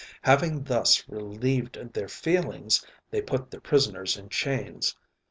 Having thus relieved their feelings, they put their prisoners in chains.